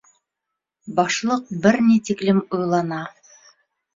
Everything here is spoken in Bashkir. Башлыҡ бер ни тиклем уйлана.